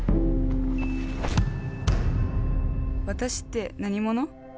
私って何者？